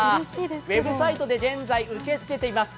ウェブサイトで現在受け付けています。